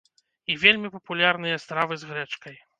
І вельмі папулярныя стравы з грэчкай.